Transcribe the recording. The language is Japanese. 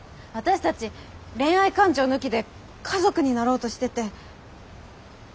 私たち恋愛感情抜きで家族になろうとしてて。